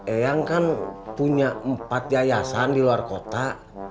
eyang kan punya empat yayasan di luar kota